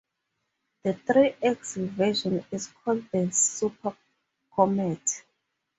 The three-axle version is called the Super Comet.